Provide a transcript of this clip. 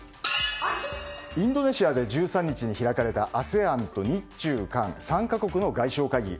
インドネシアで１３日に開かれたＡＳＥＡＮと日中韓３か国の外相会議。